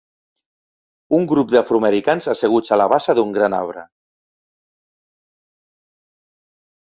Un grup d'afroamericans asseguts a la base d'un gran arbre.